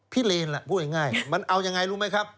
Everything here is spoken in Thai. เลนล่ะพูดง่ายมันเอายังไงรู้ไหมครับ